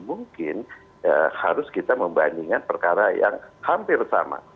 mungkin harus kita membandingkan perkara yang hampir sama